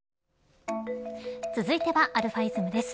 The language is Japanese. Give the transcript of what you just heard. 続いてはαｉｓｍです。